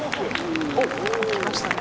来ましたね。